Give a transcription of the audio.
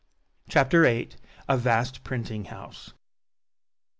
CHAPTER VIII. A VAST PRINTING HOUSE.